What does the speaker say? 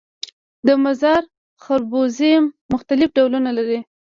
د مزار خربوزې مختلف ډولونه لري